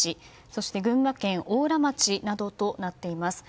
そして群馬県邑楽町などとなっています。